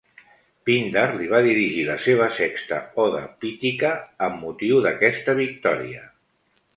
Píndar li va dirigir la seva sexta oda pítica amb motiu d'aquesta victòria.